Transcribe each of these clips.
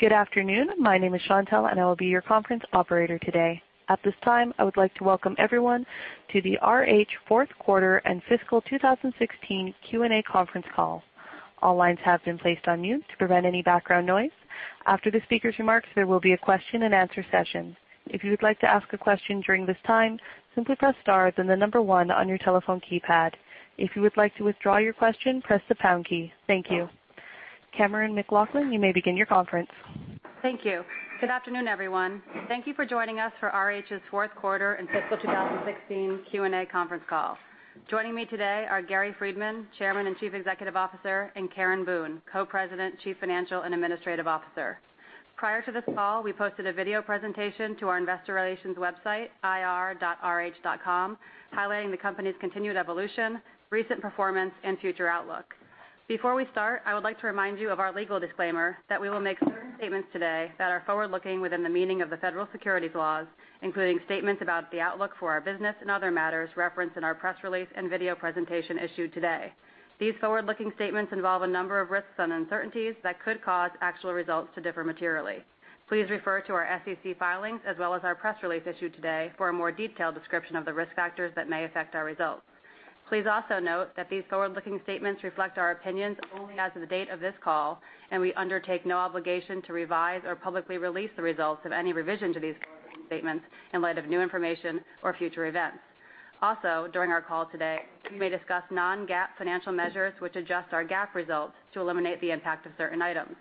Good afternoon. My name is Chantelle, and I will be your conference operator today. At this time, I would like to welcome everyone to the RH fourth quarter and fiscal 2016 Q&A conference call. All lines have been placed on mute to prevent any background noise. After the speaker's remarks, there will be a question and answer session. If you would like to ask a question during this time, simply press star, then the number one on your telephone keypad. If you would like to withdraw your question, press the pound key. Thank you. Cammeron McLaughlin, you may begin your conference. Thank you. Good afternoon, everyone. Thank you for joining us for RH's fourth quarter and fiscal 2016 Q&A conference call. Joining me today are Gary Friedman, Chairman and Chief Executive Officer, and Karen Boone, Co-President, Chief Financial and Administrative Officer. Prior to this call, we posted a video presentation to our investor relations website, ir.rh.com, highlighting the company's continued evolution, recent performance, and future outlook. Before we start, I would like to remind you of our legal disclaimer that we will make certain statements today that are forward-looking within the meaning of the federal securities laws, including statements about the outlook for our business and other matters referenced in our press release and video presentation issued today. These forward-looking statements involve a number of risks and uncertainties that could cause actual results to differ materially. Please refer to our SEC filings as well as our press release issued today for a more detailed description of the risk factors that may affect our results. Please also note that these forward-looking statements reflect our opinions only as of the date of this call, we undertake no obligation to revise or publicly release the results of any revision to these forward-looking statements in light of new information or future events. During our call today, we may discuss non-GAAP financial measures which adjust our GAAP results to eliminate the impact of certain items.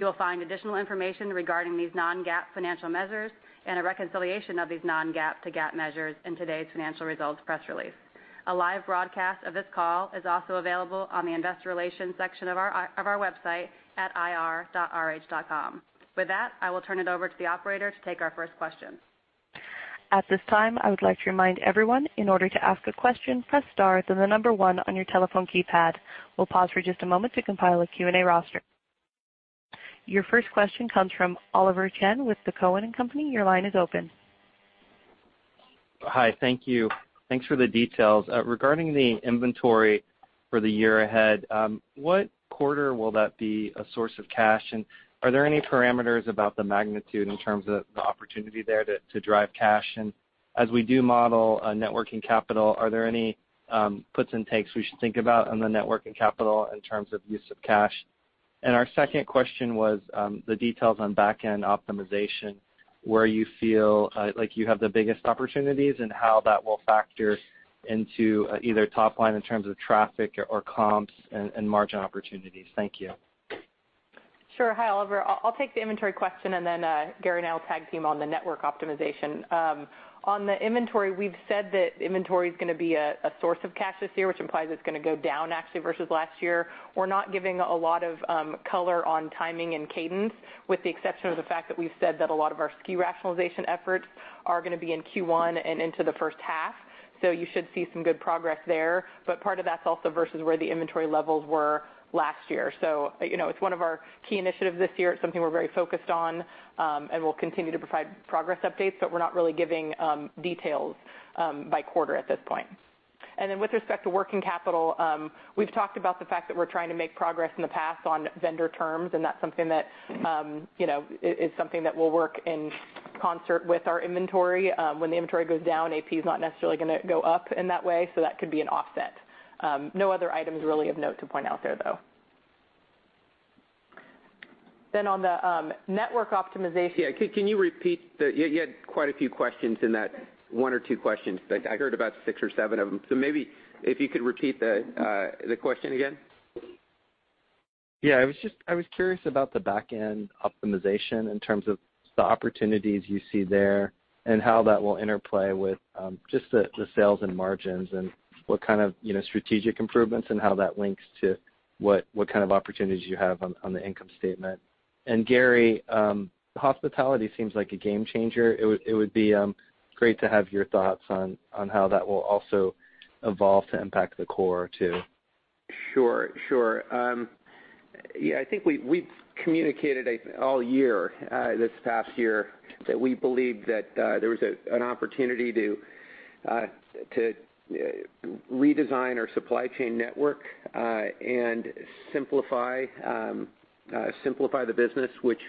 You will find additional information regarding these non-GAAP financial measures and a reconciliation of these non-GAAP to GAAP measures in today's financial results press release. A live broadcast of this call is also available on the investor relations section of our website at ir.rh.com. With that, I will turn it over to the operator to take our first question. At this time, I would like to remind everyone, in order to ask a question, press star, then the number 1 on your telephone keypad. We will pause for just a moment to compile a Q&A roster. Your first question comes from Oliver Chen with the Cowen and Company. Your line is open. Hi. Thank you. Thanks for the details. Regarding the inventory for the year ahead, what quarter will that be a source of cash, and are there any parameters about the magnitude in terms of the opportunity there to drive cash? As we do model a net working capital, are there any puts and takes we should think about on the net working capital in terms of use of cash? Our second question was the details on backend optimization, where you feel like you have the biggest opportunities and how that will factor into either top line in terms of traffic or comps and margin opportunities. Thank you. Sure. Hi, Oliver. I will take the inventory question, and Gary and I will tag team on the network optimization. On the inventory, we have said that inventory is going to be a source of cash this year, which implies it is going to go down actually versus last year. We are not giving a lot of color on timing and cadence, with the exception of the fact that we have said that a lot of our SKU rationalization efforts are going to be in Q1 and into the first half. So you should see some good progress there. But part of that is also versus where the inventory levels were last year. So it is one of our key initiatives this year. It is something we are very focused on, and we will continue to provide progress updates, but we are not really giving details by quarter at this point. With respect to working capital, we have talked about the fact that we are trying to make progress in the past on vendor terms, and that is something that will work in concert with our inventory. When the inventory goes down, AP is not necessarily going to go up in that way, so that could be an offset. No other items really of note to point out there, though. On the network optimization- Can you repeat? You had quite a few questions in that one or two questions. I heard about six or seven of them. Maybe if you could repeat the question again. Yeah, I was curious about the backend optimization in terms of the opportunities you see there and how that will interplay with just the sales and margins and what kind of strategic improvements and how that links to what kind of opportunities you have on the income statement. Gary, RH Hospitality seems like a game changer. It would be great to have your thoughts on how that will also evolve to impact the core too. Sure. Yeah, I think we've communicated all year, this past year, that we believe that there was an opportunity to redesign our supply chain network and simplify the business, which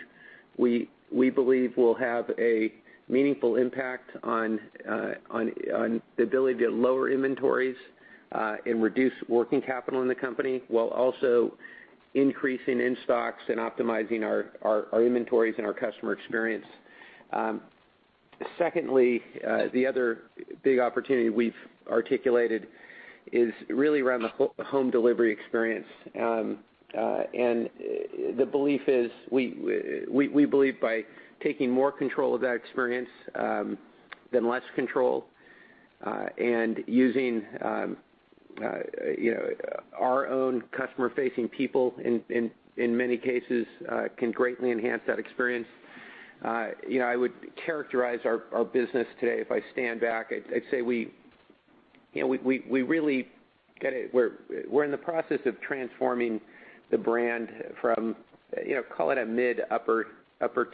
we believe will have a meaningful impact on the ability to lower inventories and reduce working capital in the company while also increasing in stocks and optimizing our inventories and our customer experience. Secondly, the other big opportunity we've articulated is really around the home delivery experience. The belief is we believe by taking more control of that experience than less control and using our own customer-facing people in many cases can greatly enhance that experience. I would characterize our business today, if I stand back, I'd say we're in the process of transforming the brand from, call it a mid upper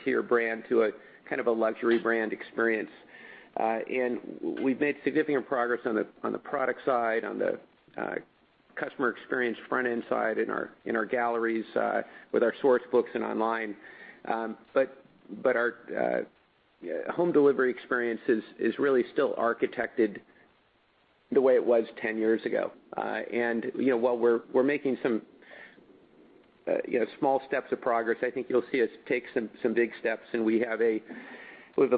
tier brand to a kind of a luxury brand experience. We've made significant progress on the product side, on the customer experience front-end side, in our galleries, with our source books and online. Our home delivery experience is really still architected the way it was 10 years ago. While we're making some small steps of progress, I think you'll see us take some big steps, and we have a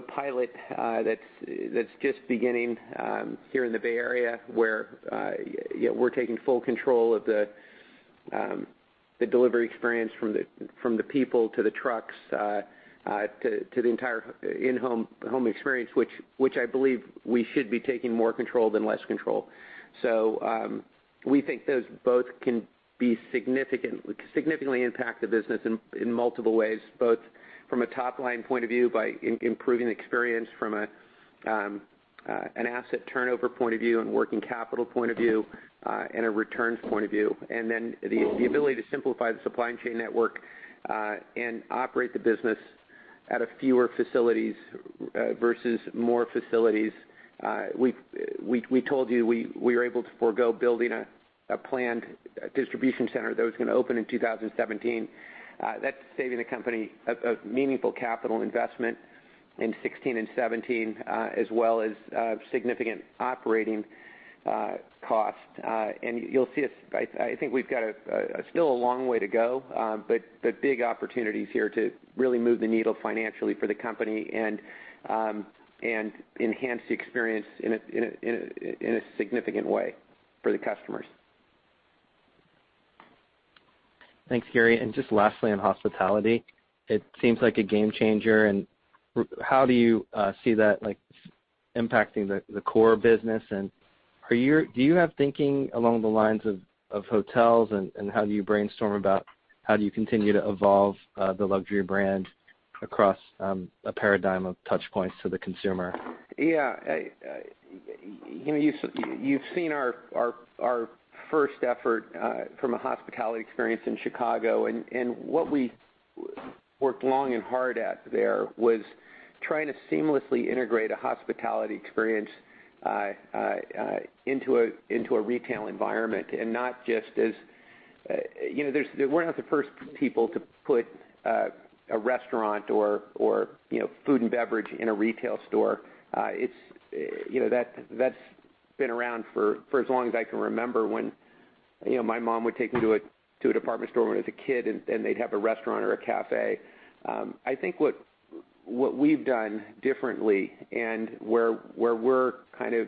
pilot that's just beginning here in the Bay Area where we're taking full control of the delivery experience from the people to the trucks, to the entire in-home experience, which I believe we should be taking more control than less control. We think those both can significantly impact the business in multiple ways, both from a top-line point of view by improving the experience from an asset turnover point of view and working capital point of view, and a returns point of view. The ability to simplify the supply chain network, and operate the business out of fewer facilities versus more facilities. We told you we were able to forego building a planned distribution center that was going to open in 2017. That's saving the company a meaningful capital investment in 2016 and 2017, as well as significant operating costs. I think we've got still a long way to go, but big opportunities here to really move the needle financially for the company and enhance the experience in a significant way for the customers. Thanks, Gary. Just lastly, on hospitality. It seems like a game changer. How do you see that impacting the core business, and do you have thinking along the lines of hotels and how do you brainstorm about how do you continue to evolve the luxury brand across a paradigm of touch points to the consumer? You've seen our first effort from a hospitality experience in Chicago. What we worked long and hard at there was trying to seamlessly integrate a hospitality experience into a retail environment. We're not the first people to put a restaurant or food and beverage in a retail store. That's been around for as long as I can remember when my mom would take me to a department store when I was a kid, they'd have a restaurant or a cafe. I think what we've done differently and where we're kind of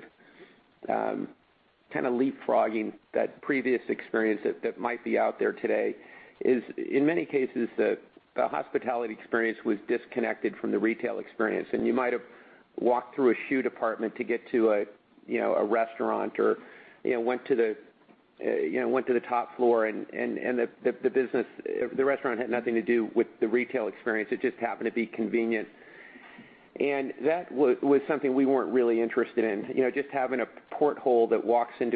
leapfrogging that previous experience that might be out there today is, in many cases, the hospitality experience was disconnected from the retail experience. You might have walked through a shoe department to get to a restaurant or went to the top floor and the restaurant had nothing to do with the retail experience. It just happened to be convenient. That was something we weren't really interested in. Just having a porthole that walks from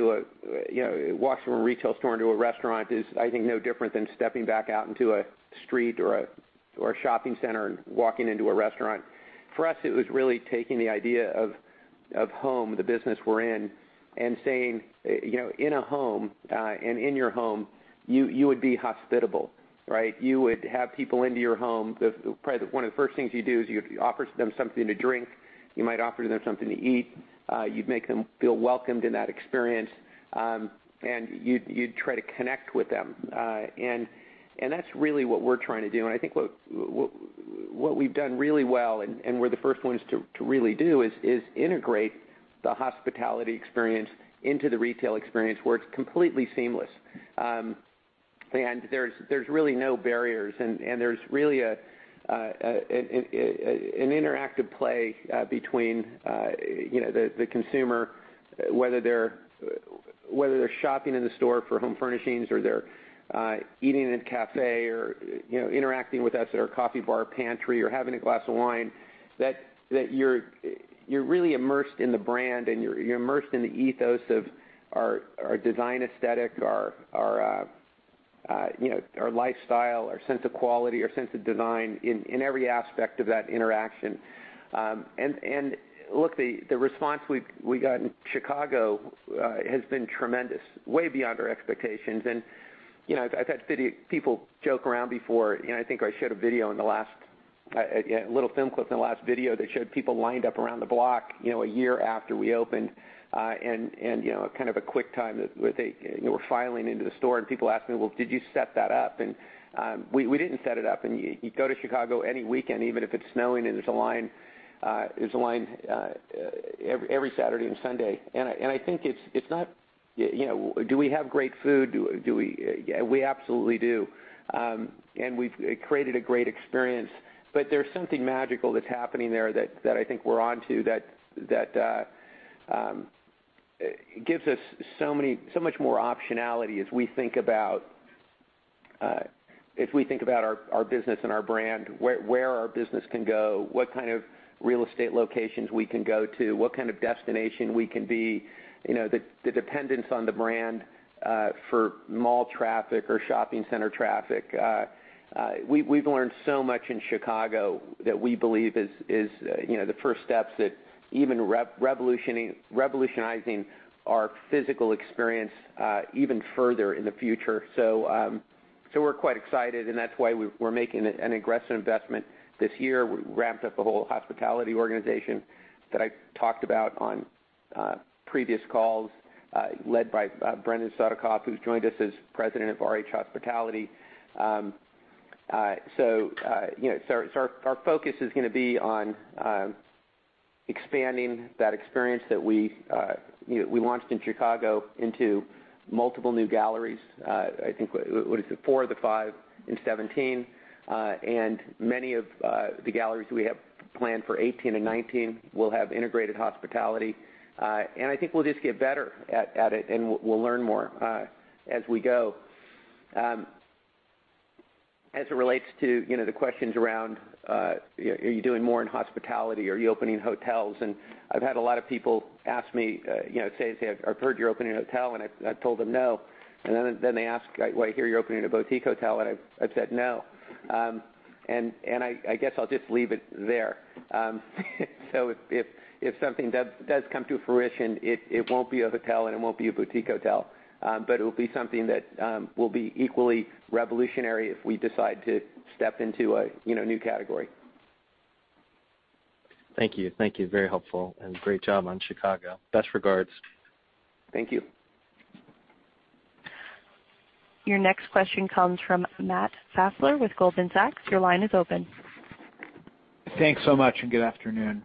a retail store into a restaurant is, I think, no different than stepping back out into a street or a shopping center and walking into a restaurant. For us, it was really taking the idea of home, the business we're in, and saying, in a home and in your home, you would be hospitable. Right? You would have people into your home. Probably one of the first things you do is you offer them something to drink. You might offer them something to eat. You'd make them feel welcomed in that experience. You'd try to connect with them. That's really what we're trying to do. I think what we've done really well, and we're the first ones to really do is integrate the hospitality experience into the retail experience where it's completely seamless. There's really no barriers, and there's really an interactive play between the consumer, whether they're shopping in the store for home furnishings or they're eating in a cafe or interacting with us at our coffee bar pantry or having a glass of wine, that you're really immersed in the brand and you're immersed in the ethos of our design aesthetic, our lifestyle, our sense of quality, our sense of design in every aspect of that interaction. Look, the response we got in Chicago has been tremendous. Way beyond our expectations. I've had people joke around before, I think I showed a video, a little film clip in the last video that showed people lined up around the block a year after we opened, and kind of a quick time where they were filing into the store, and people asking, "Well, did you set that up?" We didn't set it up. You go to Chicago any weekend, even if it's snowing, there's a line every Saturday and Sunday. I think, do we have great food? We absolutely do. We've created a great experience. There's something magical that's happening there that I think we're onto that gives us so much more optionality If we think about our business and our brand, where our business can go, what kind of real estate locations we can go to, what kind of destination we can be, the dependence on the brand for mall traffic or shopping center traffic. We've learned so much in Chicago that we believe is the first steps that even revolutionizing our physical experience even further in the future. We're quite excited, and that's why we're making an aggressive investment this year. We ramped up the whole hospitality organization that I talked about on previous calls led by Brendan Sodikoff, who's joined us as president of RH Hospitality. Our focus is going to be on expanding that experience that we launched in Chicago into multiple new galleries. I think, what is it? Four of the five in 2017 and many of the galleries we have planned for 2018 and 2019 will have integrated hospitality. I think we'll just get better at it and we'll learn more as we go. As it relates to the questions around are you doing more in hospitality? Are you opening hotels? I've had a lot of people ask me, say, "I've heard you're opening a hotel," and I've told them no. Then they ask, "Well, I hear you're opening a boutique hotel." I've said no. I guess I'll just leave it there. If something does come to fruition, it won't be a hotel, and it won't be a boutique hotel. It will be something that will be equally revolutionary if we decide to step into a new category. Thank you. Very helpful and great job on Chicago. Best regards. Thank you. Your next question comes from Matt Fassler with Goldman Sachs. Your line is open. Thanks so much. Good afternoon.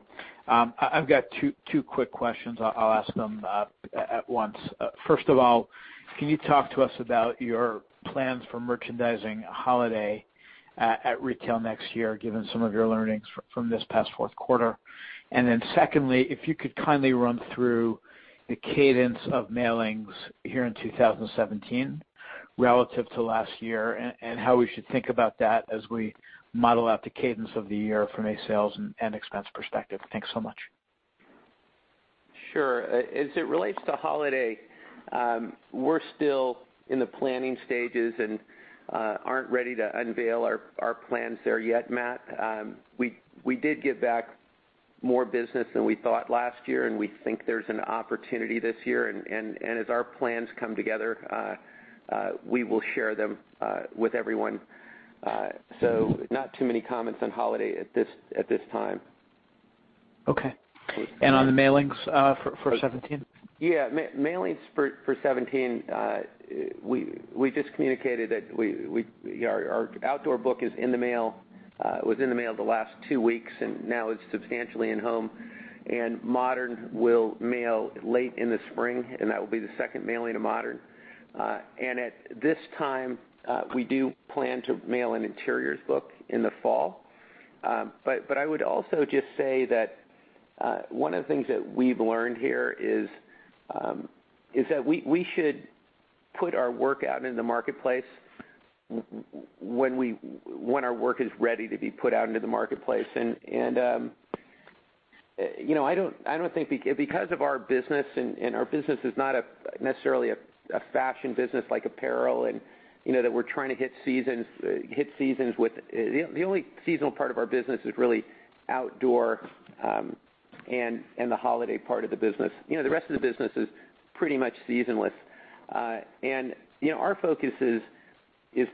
I've got two quick questions. I'll ask them at once. First of all, can you talk to us about your plans for merchandising holiday at retail next year, given some of your learnings from this past fourth quarter? Secondly, if you could kindly run through the cadence of mailings here in 2017 relative to last year and how we should think about that as we model out the cadence of the year from a sales and expense perspective. Thanks so much. Sure. As it relates to holiday, we're still in the planning stages and aren't ready to unveil our plans there yet, Matt. We did get back more business than we thought last year, and we think there's an opportunity this year. As our plans come together, we will share them with everyone. Not too many comments on holiday at this time. Okay. On the mailings for 2017? Yeah. Mailings for 2017, we just communicated that our outdoor book is in the mail, was in the mail the last two weeks, now it's substantially in home. Modern will mail late in the spring, that will be the second mailing of Modern. At this time, we do plan to mail an interiors book in the fall. I would also just say that one of the things that we've learned here is that we should put our work out in the marketplace when our work is ready to be put out into the marketplace. I don't think because of our business and our business is not necessarily a fashion business like apparel and that we're trying to hit seasons with. The only seasonal part of our business is really outdoor and the holiday part of the business. The rest of the business is pretty much seasonless. Our focus is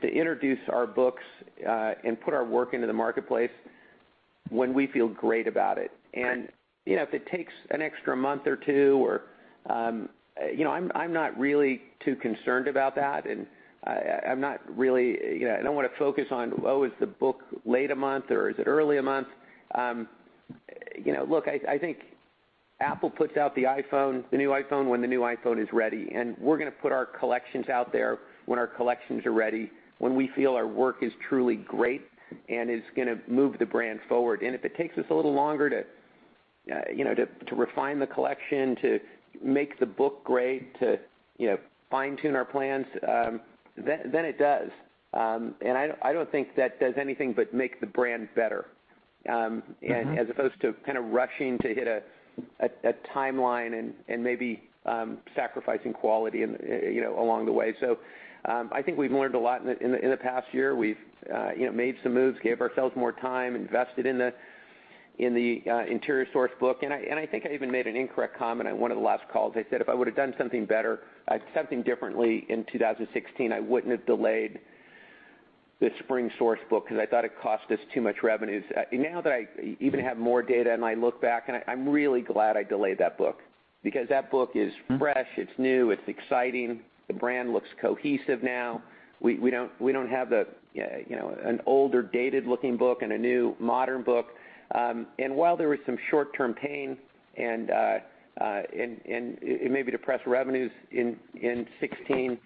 to introduce our books and put our work into the marketplace when we feel great about it. Right. If it takes an extra month or two, I'm not really too concerned about that. I don't want to focus on, oh, is the book late a month or is it early a month? I think Apple puts out the new iPhone when the new iPhone is ready, and we're going to put our collections out there when our collections are ready, when we feel our work is truly great and is going to move the brand forward. If it takes us a little longer to refine the collection, to make the book great, to fine-tune our plans, then it does. I don't think that does anything but make the brand better as opposed to kind of rushing to hit a timeline and maybe sacrificing quality along the way. I think we've learned a lot in the past year. We've made some moves, gave ourselves more time, invested in the interior source book. I think I even made an incorrect comment at one of the last calls. I said if I would've done something differently in 2016, I wouldn't have delayed the spring source book because I thought it cost us too much revenues. Now that I even have more data and I look back and I'm really glad I delayed that book because that book is fresh, it's new, it's exciting. The brand looks cohesive now. We don't have an older, dated-looking book and a new modern book. While there was some short-term pain and maybe depressed revenues in 2016,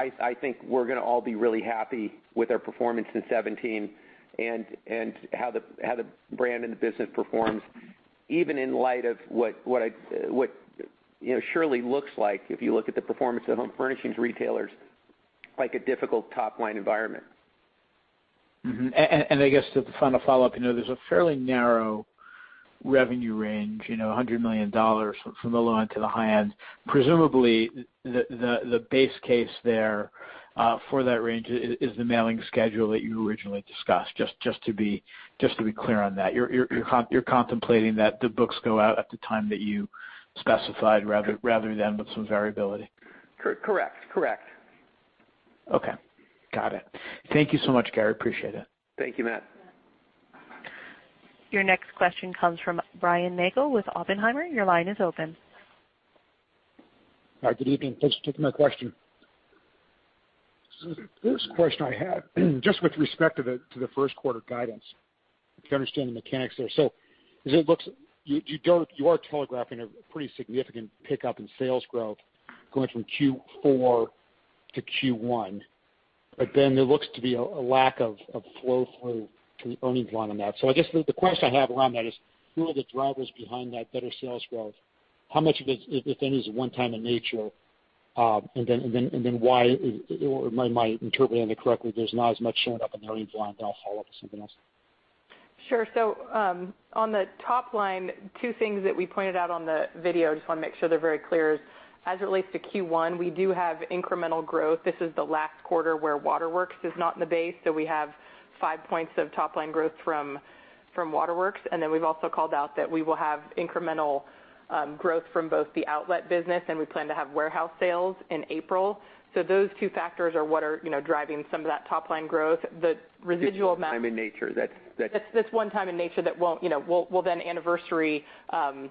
I think we're going to all be really happy with our performance in 2017 and how the brand and the business performs. Even in light of what surely looks like, if you look at the performance of home furnishings retailers, like a difficult top-line environment. I guess the final follow-up, there's a fairly narrow revenue range, $100 million from the low end to the high end. Presumably, the base case there for that range is the mailing schedule that you originally discussed. Just to be clear on that. You're contemplating that the books go out at the time that you specified rather than with some variability. Correct. Okay. Got it. Thank you so much, Gary. Appreciate it. Thank you, Matt. Your next question comes from Brian Nagel with Oppenheimer. Your line is open. Hi, good evening. Thanks for taking my question. The first question I had, just with respect to the first quarter guidance, to understand the mechanics there. As it looks, you are telegraphing a pretty significant pickup in sales growth going from Q4 to Q1. There looks to be a lack of flow through to the earnings line on that. I guess the question I have around that is, who are the drivers behind that better sales growth? How much of it, if any, is one time in nature, am I interpreting it correctly, there's not as much showing up in the earnings line and I'll follow up with something else. Sure. On the top line, two things that we pointed out on the video, I just want to make sure they're very clear. As it relates to Q1, we do have incremental growth. This is the last quarter where Waterworks is not in the base. We have five points of top-line growth from Waterworks, and then we've also called out that we will have incremental growth from both the outlet business, and we plan to have warehouse sales in April. Those two factors are what are driving some of that top-line growth. The residual amount- It's one-time in nature that- That's one-time in nature that we'll anniversary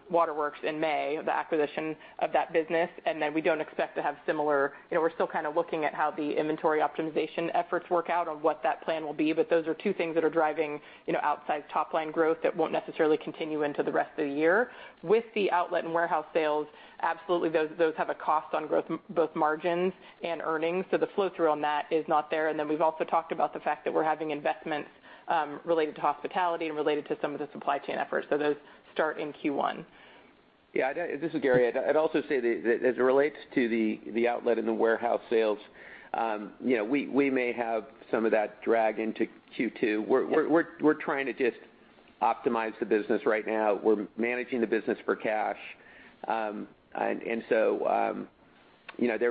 Waterworks in May, the acquisition of that business. We're still looking at how the inventory optimization efforts work out on what that plan will be. Those are two things that are driving outside top-line growth that won't necessarily continue into the rest of the year. With the outlet and warehouse sales, absolutely, those have a cost on both margins and earnings. The flow-through on that is not there. We've also talked about the fact that we're having investments related to hospitality and related to some of the supply chain efforts. Those start in Q1. Yeah. This is Gary. I'd also say that as it relates to the outlet and the warehouse sales, we may have some of that drag into Q2. We're trying to just optimize the business right now. We're managing the business for cash. There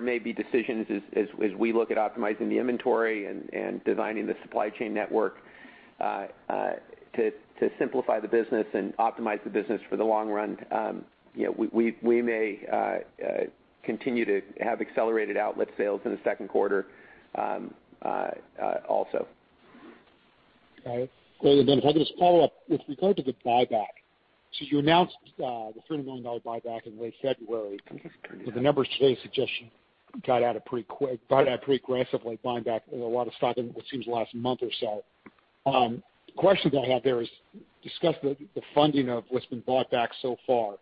may be decisions as we look at optimizing the inventory and designing the supply chain network to simplify the business and optimize the business for the long run. We may continue to have accelerated outlet sales in the second quarter also. Got it. Great. If I could just follow up, with regard to the buyback. You announced the $30 million buyback in late February, the numbers today suggest you got out pretty aggressively buying back a lot of stock in what seems the last month or so. The question that I have there is discuss the funding of what's been bought back so far,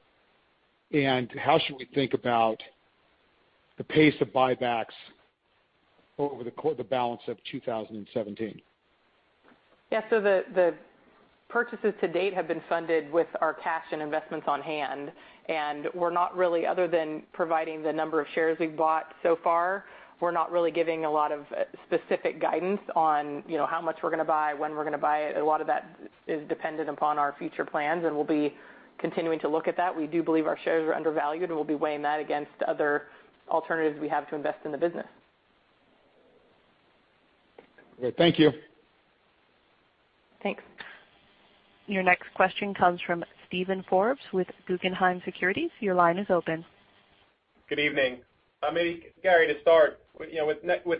and how should we think about the pace of buybacks over the balance of 2017? Yeah. The purchases to date have been funded with our cash and investments on hand, other than providing the number of shares we've bought so far, we're not really giving a lot of specific guidance on how much we're going to buy, when we're going to buy it. A lot of that is dependent upon our future plans, and we'll be continuing to look at that. We do believe our shares are undervalued, and we'll be weighing that against other alternatives we have to invest in the business. Okay. Thank you. Thanks. Your next question comes from Steven Forbes with Guggenheim Securities. Your line is open. Good evening. Maybe Gary, to start, with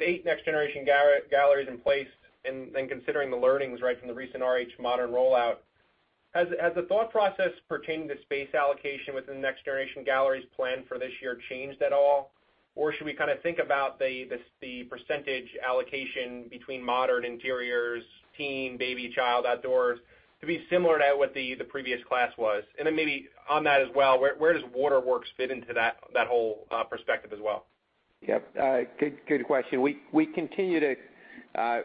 8 next-generation galleries in place and considering the learnings right from the recent RH Modern rollout, has the thought process pertaining to space allocation within the next-generation galleries plan for this year changed at all? Should we kind of think about the percentage allocation between modern interiors, teen, baby, child, outdoors to be similar to what the previous class was? Where does Waterworks fit into that whole perspective as well? Yep. Good question. We continue to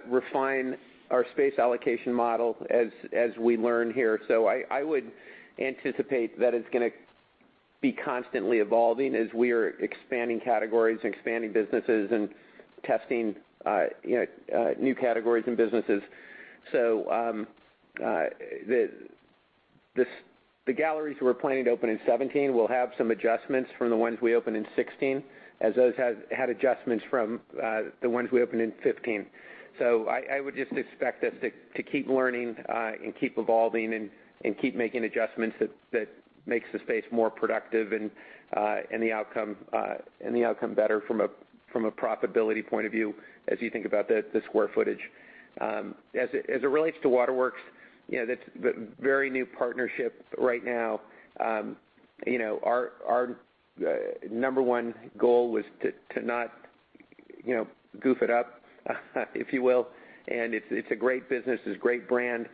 refine our space allocation model as we learn here. I would anticipate that it's going to be constantly evolving as we are expanding categories and expanding businesses and testing new categories and businesses. The galleries we're planning to open in 2017 will have some adjustments from the ones we opened in 2016, as those had adjustments from the ones we opened in 2015. I would just expect us to keep learning and keep evolving and keep making adjustments that makes the space more productive and the outcome better from a profitability point of view as you think about the square footage. As it relates to Waterworks, that's a very new partnership right now. Our number one goal was to not goof it up, if you will, and it's a great business, it's a great brand.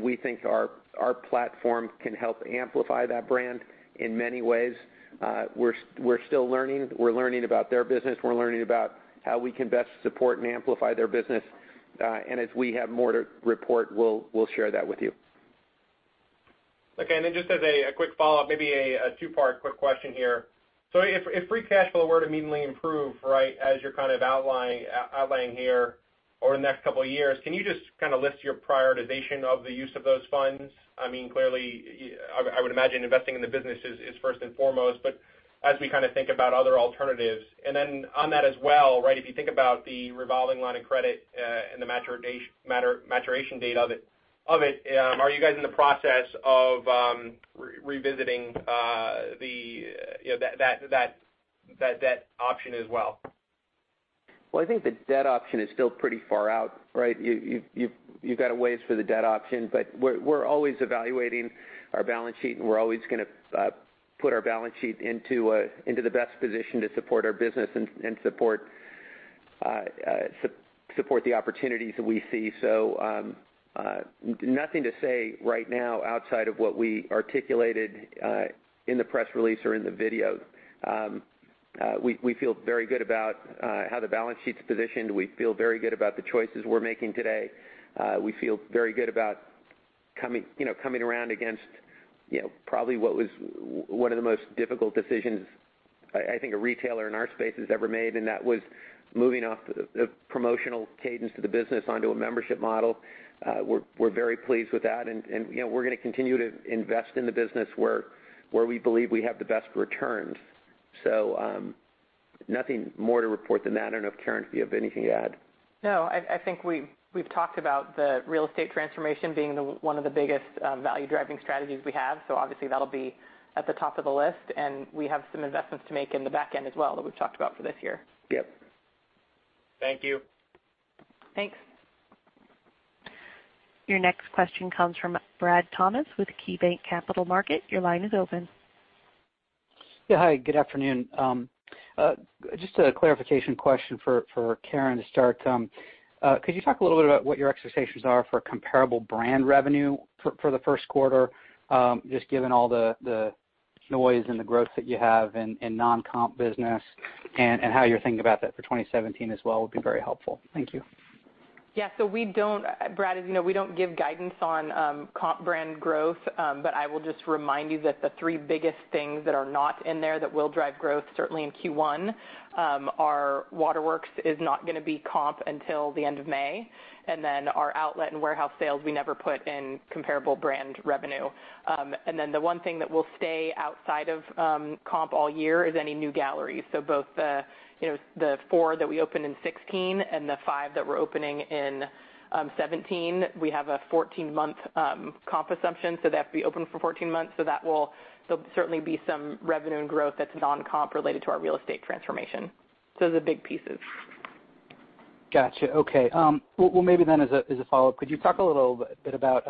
We think our platform can help amplify that brand in many ways. We're still learning. We're learning about their business. We're learning about how we can best support and amplify their business. As we have more to report, we'll share that with you. Okay. Just as a quick follow-up, maybe a two-part quick question here. If free cash flow were to immediately improve, as you're outlining here over the next couple of years, can you just list your prioritization of the use of those funds? Clearly, I would imagine investing in the business is first and foremost, but as we think about other alternatives. On that as well, if you think about the revolving line of credit, and the maturation date of it, are you guys in the process of revisiting that debt option as well? Well, I think the debt option is still pretty far out. You've got a ways for the debt option, we're always evaluating our balance sheet, we're always going to put our balance sheet into the best position to support our business and support the opportunities that we see. Nothing to say right now outside of what we articulated, in the press release or in the video. We feel very good about how the balance sheet's positioned. We feel very good about the choices we're making today. We feel very good about coming around against probably what was one of the most difficult decisions I think a retailer in our space has ever made, and that was moving off the promotional cadence to the business onto a membership model. We're very pleased with that, we're going to continue to invest in the business where we believe we have the best returns. Nothing more to report than that. I don't know if Karen, if you have anything to add. No, I think we've talked about the real estate transformation being one of the biggest value-driving strategies we have. Obviously that'll be at the top of the list, we have some investments to make in the back end as well, that we've talked about for this year. Yep. Thank you. Thanks. Your next question comes from Bradley Thomas with KeyBanc Capital Markets. Your line is open. Yeah. Hi, good afternoon. Just a clarification question for Karen to start. Could you talk a little bit about what your expectations are for comparable brand revenue for the first quarter? Just given all the noise and the growth that you have in non-comp business and how you're thinking about that for 2017 as well would be very helpful. Thank you. Yeah. Brad, as you know, we don't give guidance on comp brand growth. I will just remind you that the three biggest things that are not in there that will drive growth certainly in Q1, are Waterworks is not going to be comp until the end of May. Our outlet and warehouse sales, we never put in comparable brand revenue. The one thing that will stay outside of comp all year is any new gallery. Both the four that we opened in 2016 and the five that we're opening in 2017, we have a 14-month comp assumption, so they have to be open for 14 months. That will certainly be some revenue and growth that's non-comp related to our real estate transformation. Those are the big pieces. Got you. Okay. Well, maybe as a follow-up, could you talk a little bit about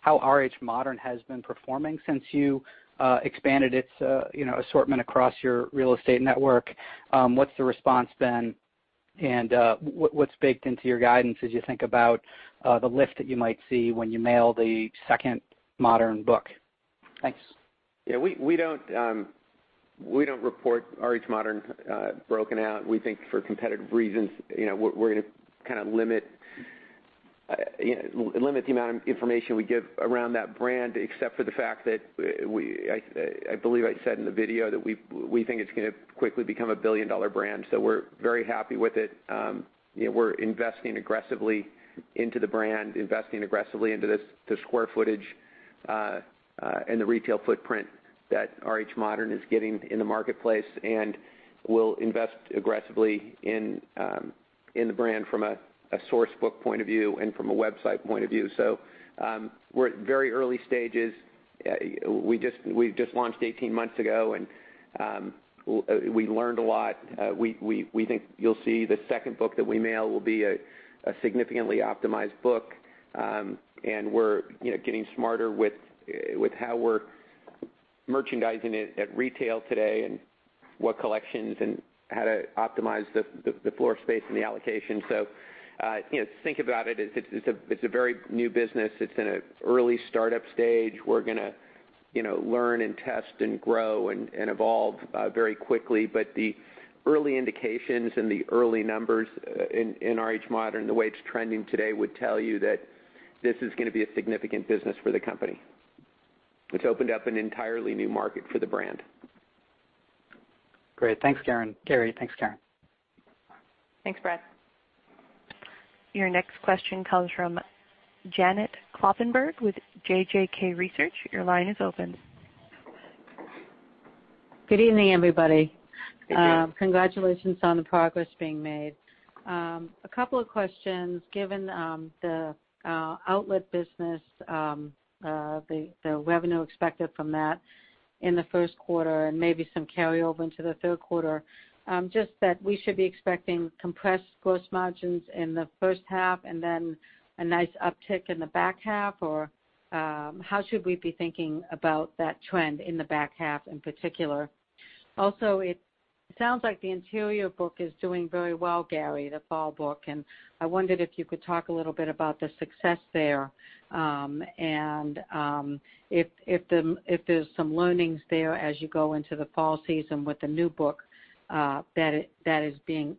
how RH Modern has been performing since you expanded its assortment across your real estate network? What's the response been, and what's baked into your guidance as you think about the lift that you might see when you mail the second Modern book? Thanks. Yeah, we don't report RH Modern broken out. We think for competitive reasons, we're going to limit the amount of information we give around that brand except for the fact that I believe I said in the video that we think it's going to quickly become a billion-dollar brand, so we're very happy with it. We're investing aggressively into the brand, investing aggressively into the square footage, and the retail footprint that RH Modern is getting in the marketplace, and we'll invest aggressively in the brand from a source book point of view and from a website point of view. We're at very early stages. We've just launched 18 months ago, and we learned a lot. We think you'll see the second book that we mail will be a significantly optimized book. We're getting smarter with how we're merchandising it at retail today and what collections and how to optimize the floor space and the allocation. Think about it's a very new business. It's in an early startup stage. We're going to learn and test and grow and evolve very quickly. The early indications and the early numbers in RH Modern, the way it's trending today, would tell you that this is going to be a significant business for the company. It's opened up an entirely new market for the brand. Great. Thanks, Gary. Thanks, Karen. Thanks, Brad. Your next question comes from Janet Kloppenberg with JJK Research. Your line is open Good evening, everybody. Good evening. Congratulations on the progress being made. A couple of questions, given the outlet business, the revenue expected from that in the first quarter and maybe some carryover into the third quarter. Just that we should be expecting compressed gross margins in the first half and then a nice uptick in the back half, or how should we be thinking about that trend in the back half in particular? Also, it sounds like the interior book is doing very well, Gary, the fall book, and I wondered if you could talk a little bit about the success there, and if there's some learnings there as you go into the fall season with the new book that is being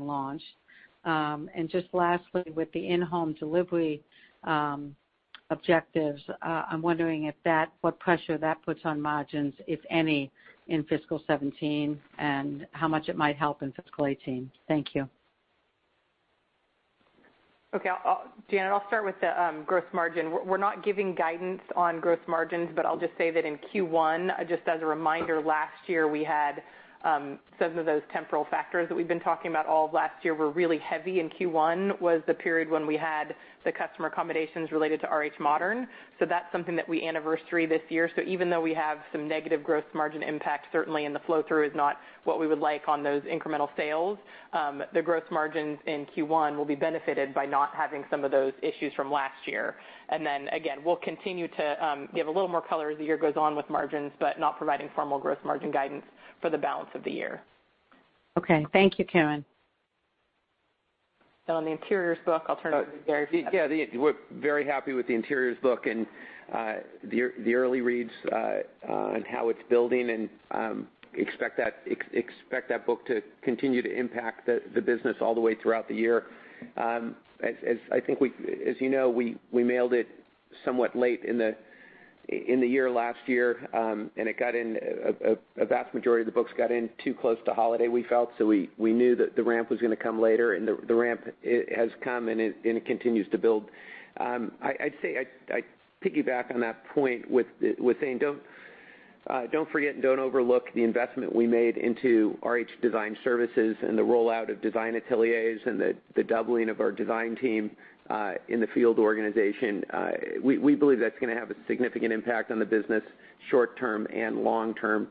launched. Just lastly, with the in-home delivery objectives. I'm wondering what pressure that puts on margins, if any, in fiscal 2017, and how much it might help in fiscal 2018. Thank you. Janet, I'll start with the gross margin. We're not giving guidance on gross margins, but I'll just say that in Q1, just as a reminder, last year we had some of those temporal factors that we've been talking about all of last year were really heavy, and Q1 was the period when we had the customer accommodations related to RH Modern. That's something that we anniversary this year. Even though we have some negative gross margin impact, certainly, and the flow-through is not what we would like on those incremental sales, the gross margins in Q1 will be benefited by not having some of those issues from last year. Again, we'll continue to give a little more color as the year goes on with margins, but not providing formal gross margin guidance for the balance of the year. Thank you, Karen. On the interiors book, I'll turn it over to Gary. We're very happy with the interiors book and the early reads on how it's building, expect that book to continue to impact the business all the way throughout the year. As you know, we mailed it somewhat late in the year last year, a vast majority of the books got in too close to holiday, we felt. We knew that the ramp was going to come later, the ramp has come and it continues to build. I'd piggyback on that point with saying, don't forget and don't overlook the investment we made into RH Design Services and the rollout of RH Design Ateliers and the doubling of our design team in the field organization. We believe that's going to have a significant impact on the business, short-term and long-term.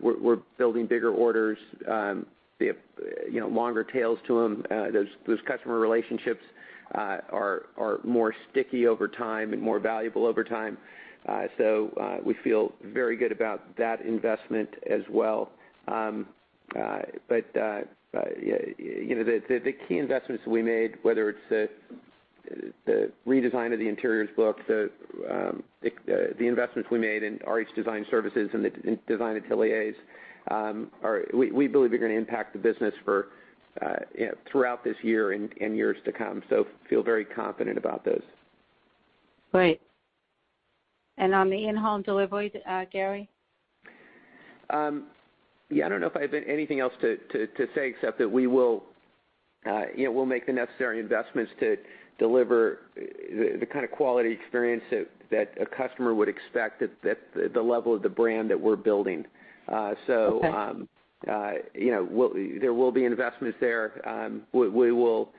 We're building bigger orders. They have longer tails to them. Those customer relationships are more sticky over time and more valuable over time. We feel very good about that investment as well. The key investments we made, whether it's the redesign of the interiors book, the investments we made in RH Design Services and the RH Design Ateliers, we believe are going to impact the business throughout this year and years to come, feel very confident about those. Great. On the in-home delivery, Gary? I don't know if I have anything else to say except that we'll make the necessary investments to deliver the kind of quality experience that a customer would expect at the level of the brand that we're building. Okay. There will be investments there. We will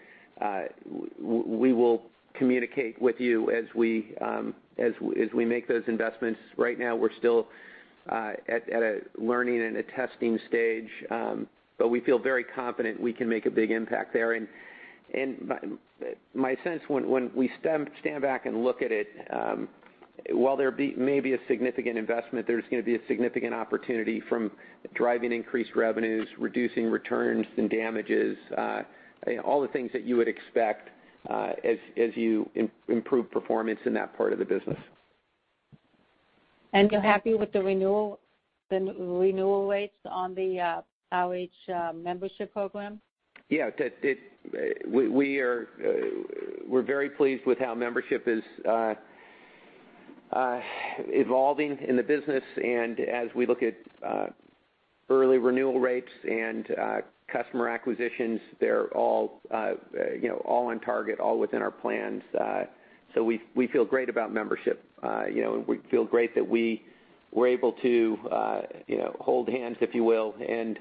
communicate with you as we make those investments. Right now we're still at a learning and a testing stage, we feel very confident we can make a big impact there. My sense when we stand back and look at it, while there may be a significant investment, there's going to be a significant opportunity from driving increased revenues, reducing returns and damages, all the things that you would expect as you improve performance in that part of the business. You're happy with the renewal rates on the RH Membership Program? Yeah. We're very pleased with how membership is evolving in the business. As we look at early renewal rates and customer acquisitions, they're all on target, all within our plans. We feel great about membership. We feel great that we were able to hold hands, if you will, and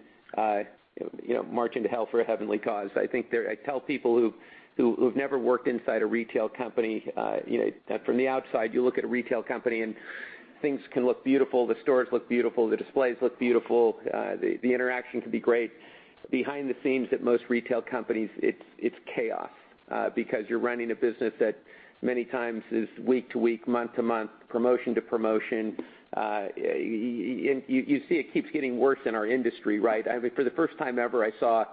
march into hell for a heavenly cause. I tell people who've never worked inside a retail company, from the outside, you look at a retail company and things can look beautiful. The stores look beautiful. The displays look beautiful. The interaction can be great. Behind the scenes at most retail companies, it's chaos because you're running a business that many times is week to week, month to month, promotion to promotion. You see it keeps getting worse in our industry, right? For the first time ever I saw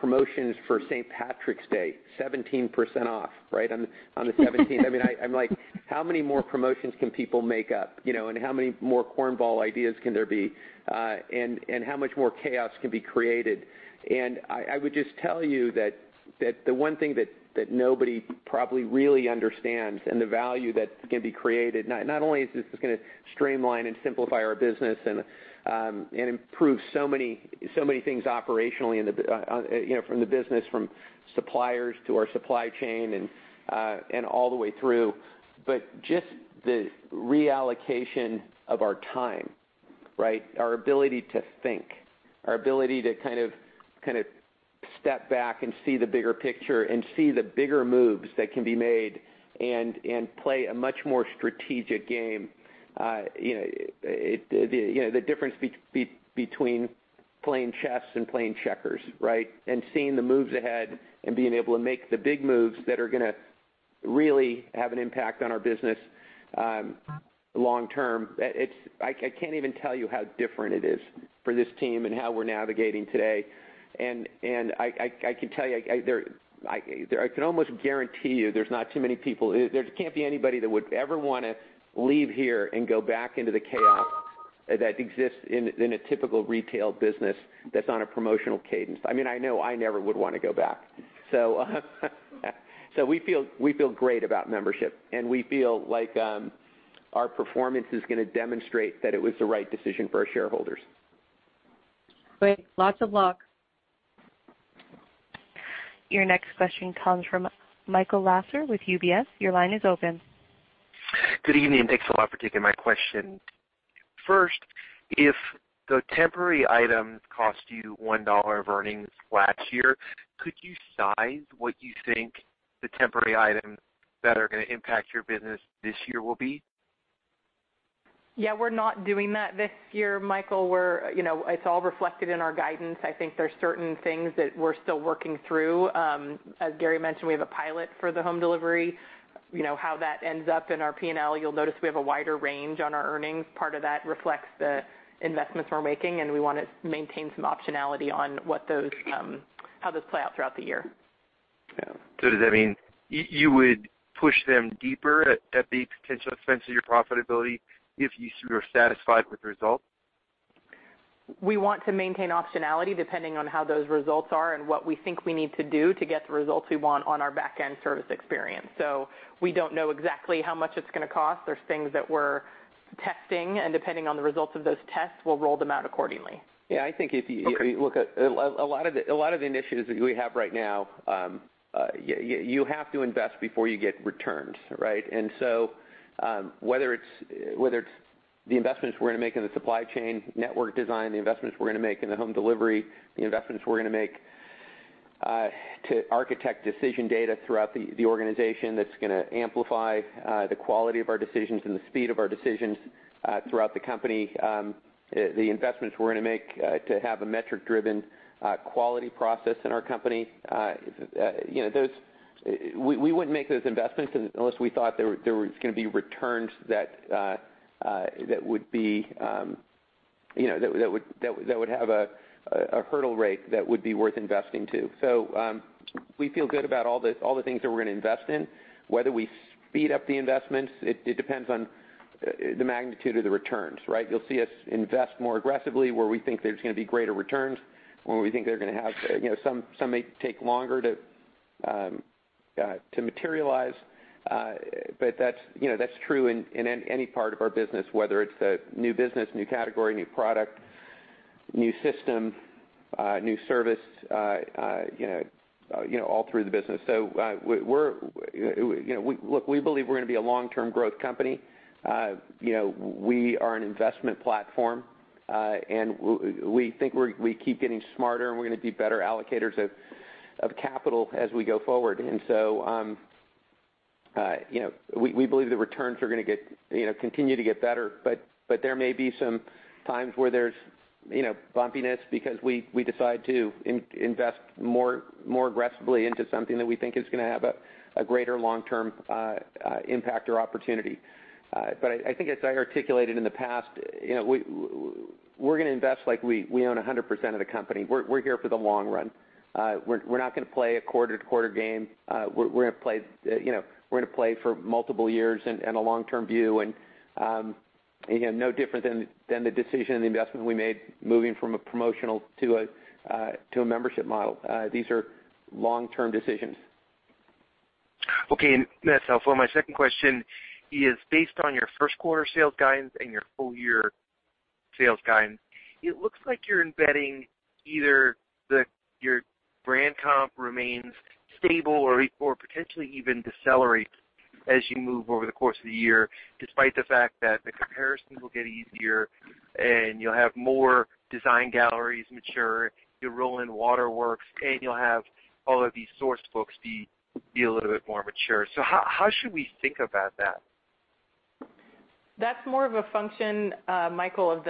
promotions for St. Patrick's Day, 17% off on the 17th. I'm like, how many more promotions can people make up? How many more cornball ideas can there be? How much more chaos can be created? I would just tell you that the one thing that nobody probably really understands and the value that can be created, not only is this going to streamline and simplify our business and improve so many things operationally from the business, from suppliers to our supply chain and all the way through. Just the reallocation of our time, our ability to think, our ability to step back and see the bigger picture and see the bigger moves that can be made and play a much more strategic game. The difference between playing chess and playing checkers, right? Seeing the moves ahead and being able to make the big moves that are going to really have an impact on our business long term. I can't even tell you how different it is for this team and how we're navigating today. I can tell you, I can almost guarantee you there can't be anybody that would ever want to leave here and go back into the chaos that exists in a typical retail business that's on a promotional cadence. I know I never would want to go back. We feel great about membership, and we feel like our performance is going to demonstrate that it was the right decision for our shareholders. Great. Lots of luck. Your next question comes from Michael Lasser with UBS. Your line is open. If the temporary items cost you $1 of earnings last year, could you size what you think the temporary items that are going to impact your business this year will be? Yeah. We're not doing that this year, Michael. It's all reflected in our guidance. I think there's certain things that we're still working through. As Gary mentioned, we have a pilot for the home delivery. How that ends up in our P&L, you'll notice we have a wider range on our earnings. Part of that reflects the investments we're making, and we want to maintain some optionality on how those play out throughout the year. Does that mean you would push them deeper at the potential expense of your profitability if you were satisfied with the results? We want to maintain optionality depending on how those results are and what we think we need to do to get the results we want on our back-end service experience. We don't know exactly how much it's going to cost. There's things that we're testing, and depending on the results of those tests, we'll roll them out accordingly. Yeah, I think if you look at a lot of the initiatives that we have right now, you have to invest before you get returns, right? Whether it's the investments we're going to make in the supply chain, network design, the investments we're going to make in the home delivery, the investments we're going to make to architect decision data throughout the organization, that's going to amplify the quality of our decisions and the speed of our decisions, throughout the company. The investments we're going to make to have a metric-driven quality process in our company. We wouldn't make those investments unless we thought there was going to be returns that would have a hurdle rate that would be worth investing to. We feel good about all the things that we're going to invest in. Whether we speed up the investments, it depends on the magnitude of the returns, right? You'll see us invest more aggressively where we think there's going to be greater returns or we think some may take longer to materialize. That's true in any part of our business, whether it's a new business, new category, new product, new system, new service, all through the business. Look, we believe we're going to be a long-term growth company. We are an investment platform. We think we keep getting smarter, and we're going to be better allocators of capital as we go forward. We believe the returns are going to continue to get better, but there may be some times where there's bumpiness because we decide to invest more aggressively into something that we think is going to have a greater long-term impact or opportunity. I think as I articulated in the past, we're going to invest like we own 100% of the company. We're here for the long run. We're not going to play a quarter-to-quarter game. We're going to play for multiple years and a long-term view. Again, no different than the decision and the investments we made moving from a promotional to a membership model. These are long-term decisions. Okay. Myself, my second question is, based on your first quarter sales guidance and your full year sales guidance, it looks like you're embedding either your brand comp remains stable or potentially even decelerates as you move over the course of the year, despite the fact that the comparisons will get easier and you'll have more design galleries mature, you'll roll in Waterworks, and you'll have all of these sourced folks be a little bit more mature. How should we think about that? That's more of a function, Michael,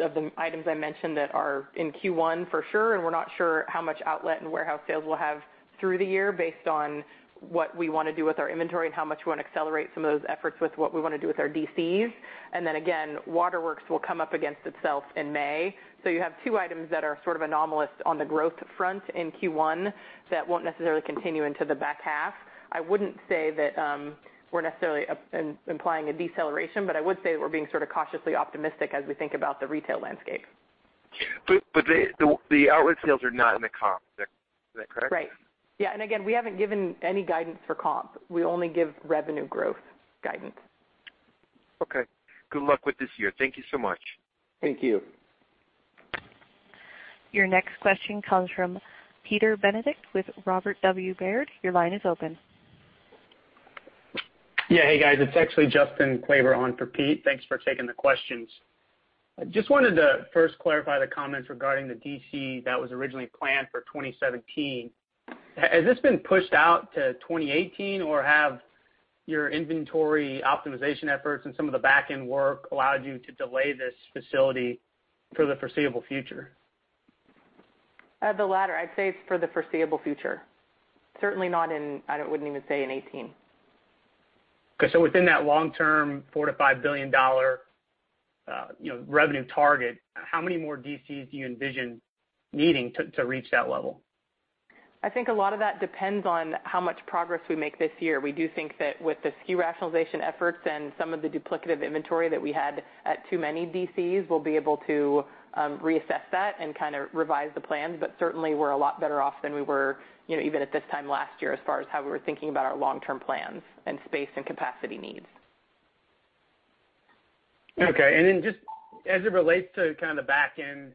of the items I mentioned that are in Q1 for sure, and we're not sure how much outlet and warehouse sales we'll have through the year based on what we want to do with our inventory and how much we want to accelerate some of those efforts with what we want to do with our DCs. Then again, Waterworks will come up against itself in May. You have two items that are sort of anomalous on the growth front in Q1 that won't necessarily continue into the back half. I wouldn't say that we're necessarily implying a deceleration, but I would say that we're being sort of cautiously optimistic as we think about the retail landscape. The outlet sales are not in the comp, is that correct? Right. Yeah. Again, we haven't given any guidance for comp. We only give revenue growth guidance. Okay. Good luck with this year. Thank you so much. Thank you. Your next question comes from Peter Benedict with Robert W. Baird. Your line is open. Yeah. Hey, guys. It's actually Justin Power on for Pete. Thanks for taking the questions. I just wanted to first clarify the comments regarding the DC that was originally planned for 2017. Has this been pushed out to 2018, or have your inventory optimization efforts and some of the back-end work allowed you to delay this facility for the foreseeable future? The latter. I'd say it's for the foreseeable future. Certainly not in, I wouldn't even say in 2018. Okay. Within that long-term $4 billion-$5 billion revenue target, how many more DCs do you envision needing to reach that level? I think a lot of that depends on how much progress we make this year. We do think that with the SKU rationalization efforts and some of the duplicative inventory that we had at too many DCs, we'll be able to reassess that and revise the plans. Certainly, we're a lot better off than we were even at this time last year, as far as how we were thinking about our long-term plans and space and capacity needs. Okay. Just as it relates to the backend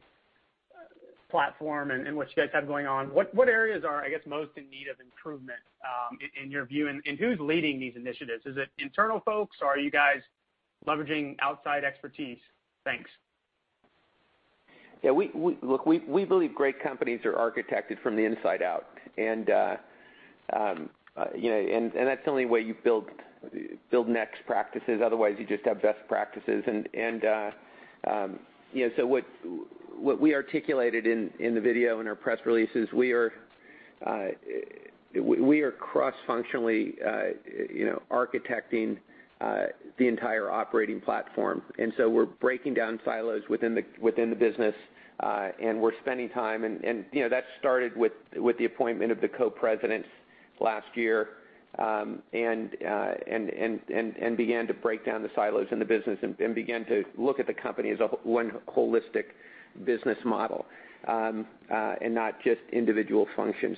platform and what you guys have going on, what areas are, I guess, most in need of improvement, in your view, and who's leading these initiatives? Is it internal folks or are you guys leveraging outside expertise? Thanks. Yeah. Look, we believe great companies are architected from the inside out. That's the only way you build next practices. Otherwise, you just have best practices. What we articulated in the video, in our press releases, we are cross-functionally architecting the entire operating platform. We're breaking down silos within the business, and we're spending time. That started with the appointment of the co-presidents last year, and began to break down the silos in the business and began to look at the company as one holistic business model, and not just individual functions.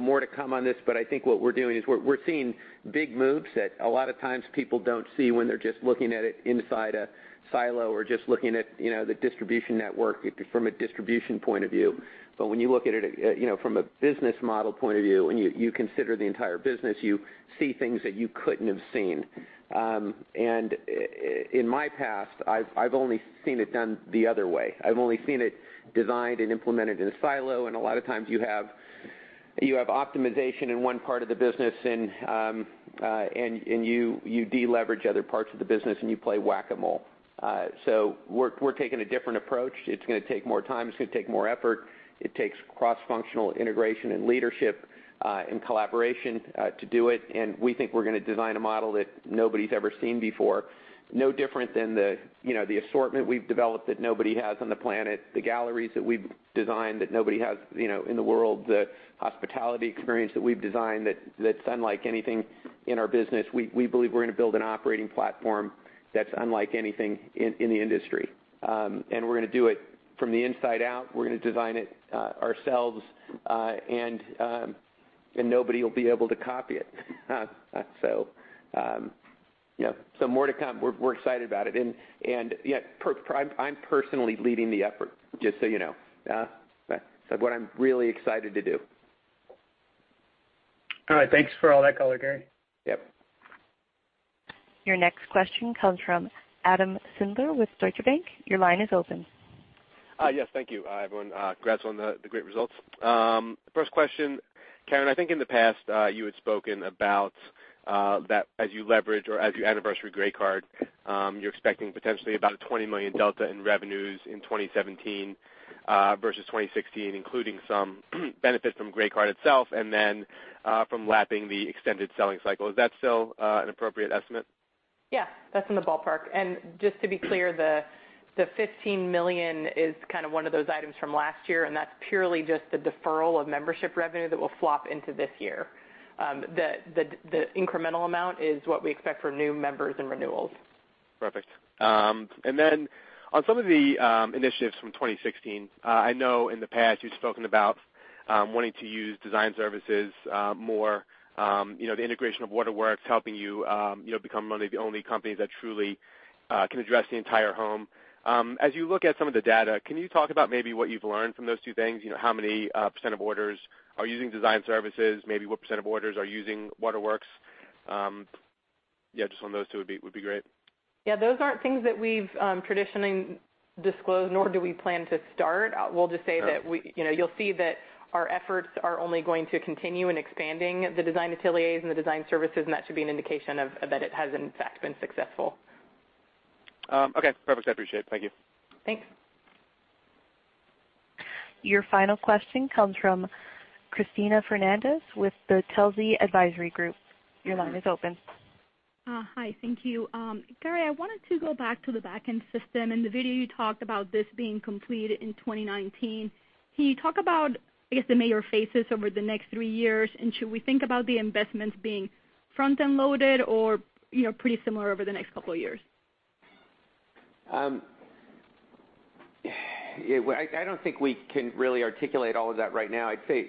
More to come on this, but I think what we're doing is we're seeing big moves that a lot of times people don't see when they're just looking at it inside a silo or just looking at the distribution network from a distribution point of view. When you look at it from a business model point of view, and you consider the entire business, you see things that you couldn't have seen. In my past, I've only seen it done the other way. I've only seen it designed and implemented in a silo, and a lot of times you have optimization in one part of the business and you de-leverage other parts of the business, and you play Whac-A-Mole. We're taking a different approach. It's going to take more time. It's going to take more effort. It takes cross-functional integration and leadership, and collaboration to do it. We think we're going to design a model that nobody's ever seen before. No different than the assortment we've developed that nobody has on the planet, the galleries that we've designed that nobody has in the world, the hospitality experience that we've designed that's unlike anything in our business. We believe we're going to build an operating platform that's unlike anything in the industry. We're going to do it from the inside out. We're going to design it ourselves, and nobody will be able to copy it. More to come. We're excited about it. I'm personally leading the effort, just so you know. It's what I'm really excited to do. All right. Thanks for all that color, Gary. Yep. Your next question comes from Adam Sindler with Deutsche Bank. Your line is open. Yes. Thank you, everyone. Congrats on the great results. First question, Karen, I think in the past, you had spoken about that as you leverage or as you anniversary Grey Card, you're expecting potentially about a $20 million delta in revenues in 2017 versus 2016, including some benefit from Grey Card itself and then from lapping the extended selling cycle. Is that still an appropriate estimate? Yeah. That's in the ballpark. Just to be clear, the $15 million is one of those items from last year, and that's purely just the deferral of membership revenue that will flop into this year. The incremental amount is what we expect from new members and renewals. Perfect. On some of the initiatives from 2016, I know in the past you've spoken about wanting to use design services more, the integration of Waterworks helping you become one of the only companies that truly can address the entire home. As you look at some of the data, can you talk about maybe what you've learned from those two things? How many % of orders are using design services? Maybe what % of orders are using Waterworks? Yeah, just on those two would be great. Those aren't things that we've traditionally disclosed, nor do we plan to start. Sure. We'll just say that you'll see that our efforts are only going to continue in expanding the Design Ateliers and the design services, and that should be an indication that it has in fact been successful. Perfect. I appreciate it. Thank you. Thanks. Your final question comes from Cristina Fernandez with the Telsey Advisory Group. Your line is open. Hi. Thank you. Gary, I wanted to go back to the backend system. In the video, you talked about this being completed in 2019. Can you talk about, I guess, the major phases over the next three years, and should we think about the investments being front-end loaded or pretty similar over the next couple of years? I don't think we can really articulate all of that right now. I'd say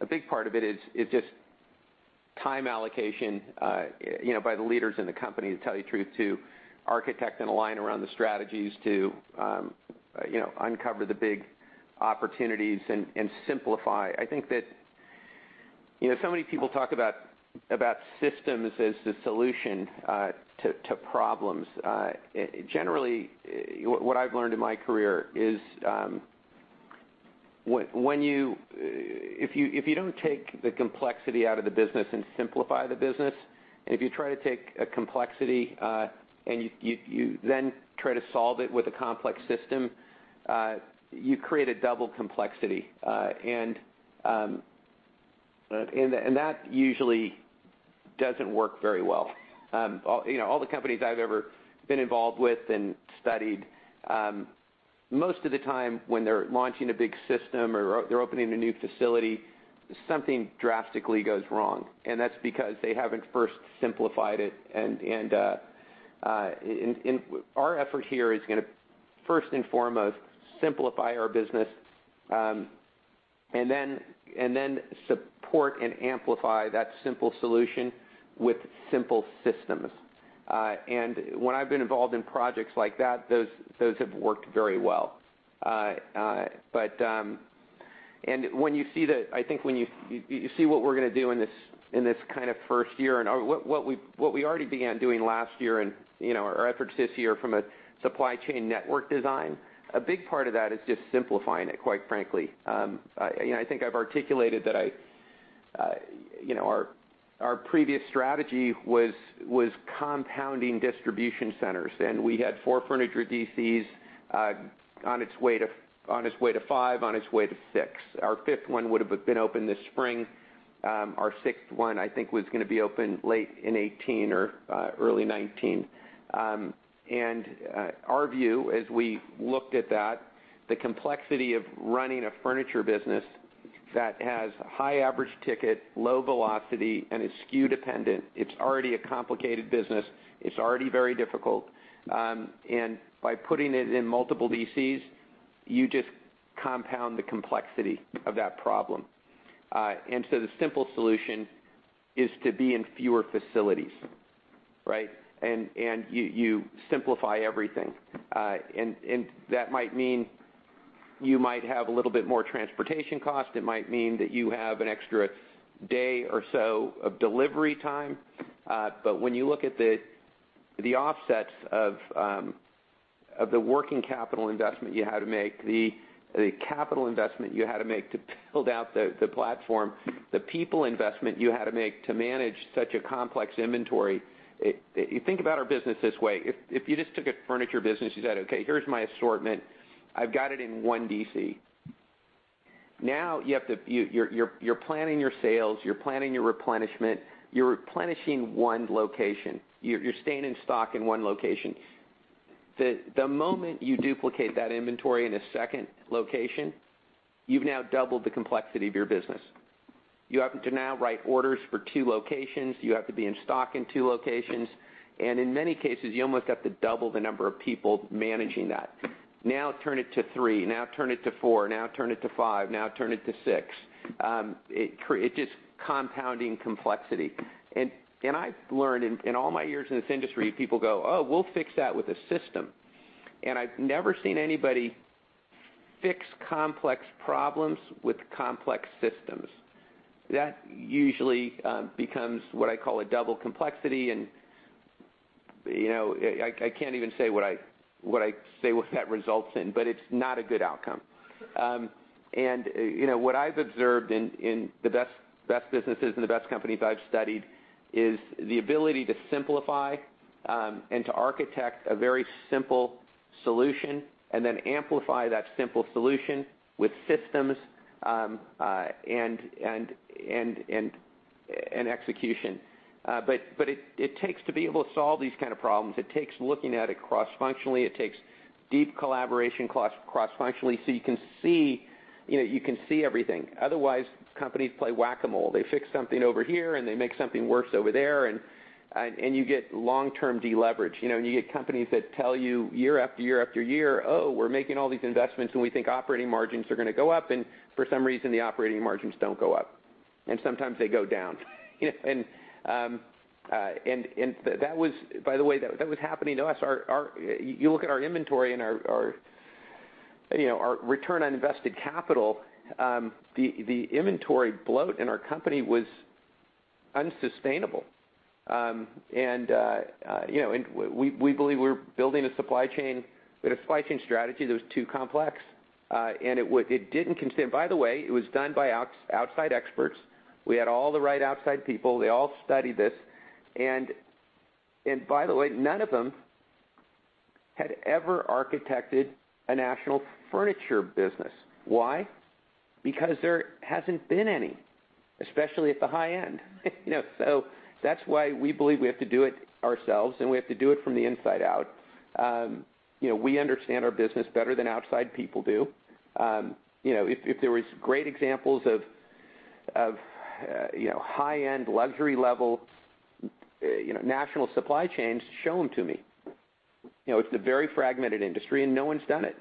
a big part of it is just time allocation by the leaders in the company, to tell you the truth, to architect and align around the strategies to uncover the big opportunities and simplify. I think that so many people talk about systems as the solution to problems. Generally, what I've learned in my career is, if you don't take the complexity out of the business and simplify the business, if you try to take a complexity, and you then try to solve it with a complex system, you create a double complexity. That usually doesn't work very well. All the companies I've ever been involved with and studied, most of the time when they're launching a big system or they're opening a new facility, something drastically goes wrong. That's because they haven't first simplified it. Our effort here is going to first and foremost simplify our business, and then support and amplify that simple solution with simple systems. When I've been involved in projects like that, those have worked very well. I think when you see what we're going to do in this first year, and what we already began doing last year and our efforts this year from a supply chain network design, a big part of that is just simplifying it, quite frankly. I think I've articulated that our previous strategy was compounding distribution centers, and we had four furniture DCs on its way to five, on its way to six. Our fifth one would've been open this spring. Our sixth one, I think, was going to be open late in 2018 or early 2019. Our view, as we looked at that, the complexity of running a furniture business that has high average ticket, low velocity, and is SKU dependent, it's already a complicated business. It's already very difficult. By putting it in multiple DCs, you just compound the complexity of that problem. The simple solution is to be in fewer facilities. You simplify everything. That might mean you might have a little bit more transportation cost. It might mean that you have an extra day or so of delivery time. When you look at the offsets of the working capital investment you had to make, the capital investment you had to make to build out the platform, the people investment you had to make to manage such a complex inventory. You think about our business this way. If you just took a furniture business, you said, "Okay, here's my assortment. I've got it in one DC." Now you're planning your sales. You're planning your replenishment. You're replenishing one location. You're staying in stock in one location. The moment you duplicate that inventory in a second location, you've now doubled the complexity of your business. You have to now write orders for two locations. You have to be in stock in two locations. In many cases, you almost have to double the number of people managing that. Now turn it to three. Now turn it to four. Now turn it to five. Now turn it to six. It's just compounding complexity. I've learned in all my years in this industry, people go, "Oh, we'll fix that with a system." I've never seen anybody fix complex problems with complex systems. That usually becomes what I call a double complexity, and I can't even say what that results in, but it's not a good outcome. What I've observed in the best businesses and the best companies I've studied is the ability to simplify and to architect a very simple solution and then amplify that simple solution with systems and execution. To be able to solve these kind of problems, it takes looking at it cross-functionally. It takes deep collaboration cross-functionally, so you can see everything. Otherwise, companies play Whac-A-Mole. They fix something over here, and they make something worse over there, and you get long-term deleverage. You get companies that tell you year after year after year, "Oh, we're making all these investments, and we think operating margins are going to go up," and for some reason, the operating margins don't go up. Sometimes they go down. By the way, that was happening to us. You look at our inventory and our return on invested capital, the inventory bloat in our company was unsustainable. We believe we were building a supply chain with a supply chain strategy that was too complex. By the way, it was done by outside experts. We had all the right outside people. They all studied this. By the way, none of them had ever architected a national furniture business. Why? Because there hasn't been any, especially at the high end. That's why we believe we have to do it ourselves, and we have to do it from the inside out. We understand our business better than outside people do. If there was great examples of high-end, luxury-level national supply chains, show them to me. It's a very fragmented industry, and no one's done it.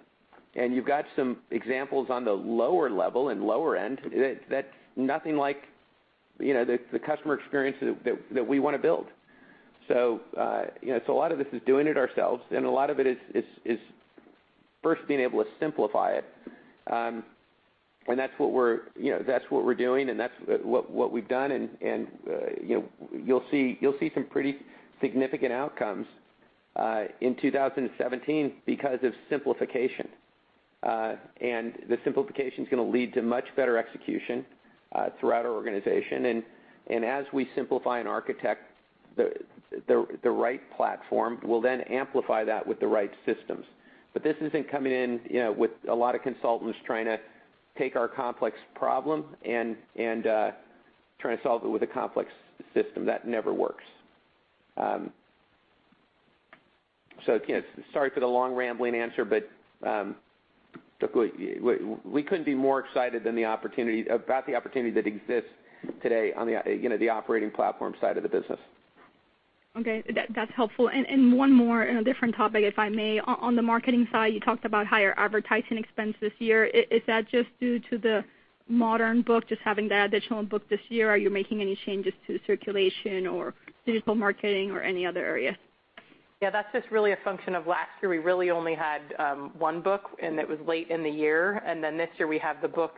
You've got some examples on the lower level and lower end that's nothing like the customer experience that we want to build. A lot of this is doing it ourselves, and a lot of it is first being able to simplify it. That's what we're doing, and that's what we've done, and you'll see some pretty significant outcomes in 2017 because of simplification. The simplification's going to lead to much better execution throughout our organization and as we simplify and architect the right platform, we'll then amplify that with the right systems. This isn't coming in with a lot of consultants trying to take our complex problem and trying to solve it with a complex system. That never works. Again, sorry for the long, rambling answer, look, we couldn't be more excited about the opportunity that exists today on the operating platform side of the business. Okay. That's helpful. One more on a different topic, if I may. On the marketing side, you talked about higher advertising expense this year. Is that just due to the Modern book, just having that additional book this year? Are you making any changes to circulation or digital marketing or any other area? That's just really a function of last year. We really only had one book, and it was late in the year. This year, we have the book,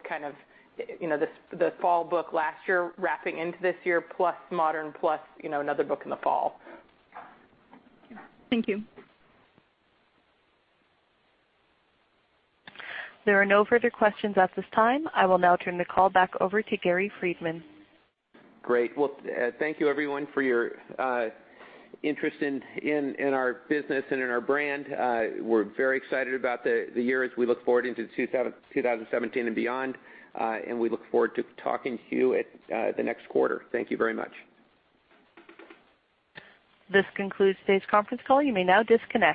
the fall book last year wrapping into this year, plus Modern, plus another book in the fall. Thank you. There are no further questions at this time. I will now turn the call back over to Gary Friedman. Great. Well, thank you everyone for your interest in our business and in our brand. We're very excited about the year as we look forward into 2017 and beyond, and we look forward to talking to you at the next quarter. Thank you very much. This concludes today's conference call. You may now disconnect.